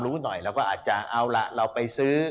เราก็อาจจะเอาละเราไปซื้อ